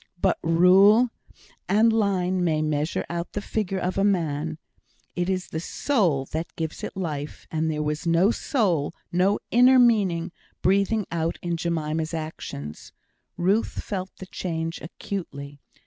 But rule and line may measure out the figure of a man; it is the soul that gives it life; and there was no soul, no inner meaning, breathing out in Jemima's actions. Ruth felt the change acutely.